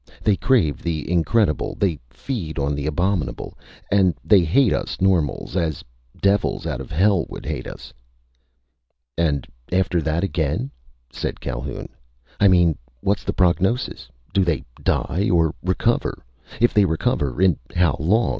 "They crave the incredible. They feed on the abominable. And they hate us normals as devils out of hell would hate us!" "And after that again?" said Calhoun. "I mean, what's the prognosis? Do they die or recover? If they recover, in how long?